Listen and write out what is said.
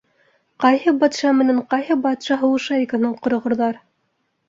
Ҡайһы батша менән ҡайһы батша һуғыша икән һуң, ҡороғорҙар.